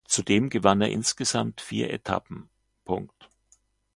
Zudem gewann er insgesamt vier Etappen.